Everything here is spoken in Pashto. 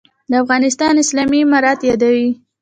«د افغانستان اسلامي امارت» یادوي.